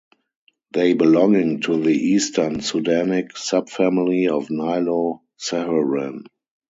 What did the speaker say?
They belong to the Eastern Sudanic subfamily of Nilo-Saharan.